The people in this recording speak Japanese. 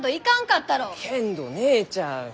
けんど姉ちゃん